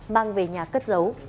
mang về nhà cất dấu